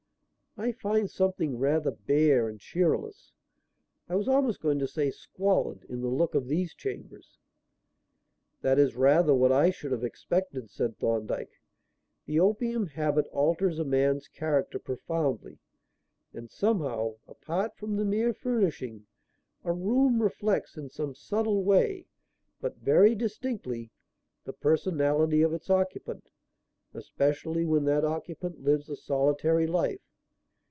I find something rather bare and cheerless, I was almost going to say squalid, in the look of these chambers." "That is rather what I should have expected," said Thorndyke. "The opium habit alters a man's character profoundly; and, somehow, apart from the mere furnishing, a room reflects in some subtle way, but very distinctly, the personality of its occupant, especially when that occupant lives a solitary life.